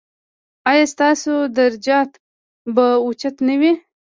ایا ستاسو درجات به اوچت نه وي؟